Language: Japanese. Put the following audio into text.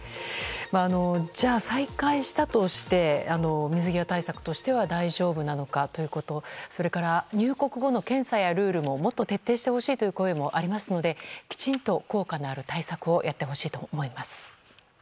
じゃあ、再開したとして水際対策としては大丈夫なのかということそれから入国後の検査やルールをもっと徹底してほしいという声もありますのできちんと効果のある対策をやってほしいと思います。